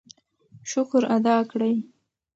شکر ادا کړئ.